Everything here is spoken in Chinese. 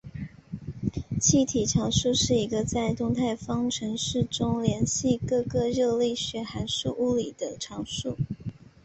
气体常数是一个在物态方程式中连系各个热力学函数的物理常数。